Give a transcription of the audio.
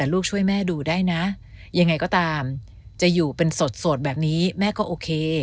ลูกช่วยแม่ดูได้นะยังไงก็ตามจะอยู่เป็นสดแบบนี้แม่ก็โอเค